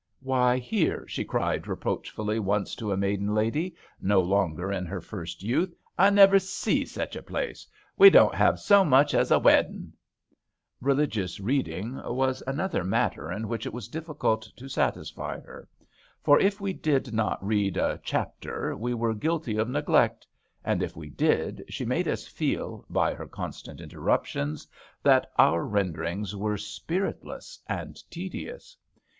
" "Why, here, she cried reproachfiiUy once to a maiden lady, no longer in her first youth, " I never see sech a place ; we doan't have so much as a weddin * I " Religious reading was another matter in which it was difficult to satisfy her ; for if we did not read a "chapter we were guilty of neglect, and if we did she made us feel, by her constant interruptions, that our rendering was spiritless and tedious.